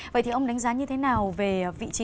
vậy thì ông đánh giá như thế nào về vị trí